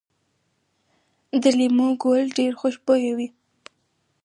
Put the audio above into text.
د لیمو ګل ډیر خوشبويه وي؟